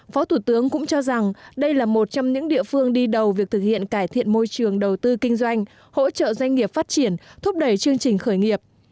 phó thủ tướng cũng cho rằng đây là một trong những địa phương đi đầu việc thực hiện cải thiện môi trường đầu tư kinh doanh hỗ trợ doanh nghiệp phát triển thúc đẩy chương trình khởi nghiệp